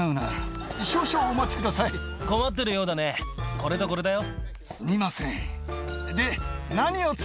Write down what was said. これとこれだよ。